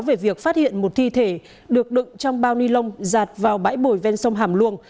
về việc phát hiện một thi thể được đựng trong bao ni lông giạt vào bãi bồi ven sông hàm luông